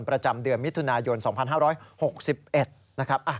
ประจำเดือนมิถุนายน๒๕๖๑นะครับ